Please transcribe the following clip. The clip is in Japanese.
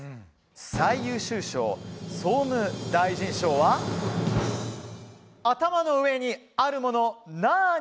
最優秀賞・総務大臣賞は「あたまの上にあるものなーに？」